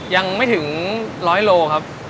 ยังไม่ถึง๑๐๐โลครับ